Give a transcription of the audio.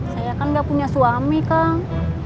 saya kan gak punya suami kang